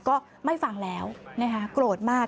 ก็ไม่ฟังแล้วนะคะโกรธมาก